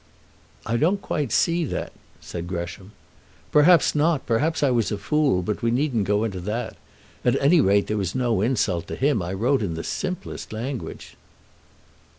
"I don't quite see that," said Gresham. "Perhaps not; perhaps I was a fool. But we needn't go into that. At any rate there was no insult to him. I wrote in the simplest language."